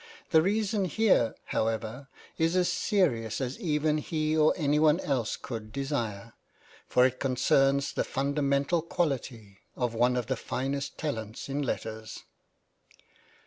The reason here, however, is as serious as even he or anyone else could desire ; for it concerns the fundamental quality of one of the finest talents in letters.